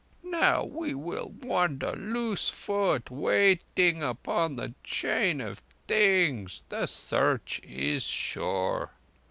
Now we will wander loose foot, waiting upon the Chain of Things. The Search is sure."